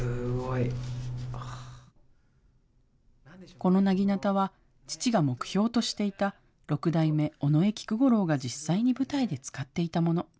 このなぎなたは、父が目標としていた六代目尾上菊五郎が実際に舞台で使っていたもの。